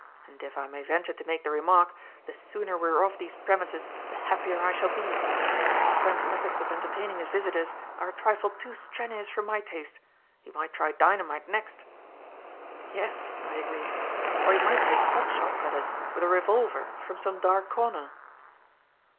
And, if I may venture to make the remark, the sooner we are off these premises the happier I shall be. Our friend's methods of entertaining his visitors are a trifle too strenuous for my taste. He might try dynamite next." "Yes," I agreed; "or he might take pot shots at us with a revolver from some dark corner."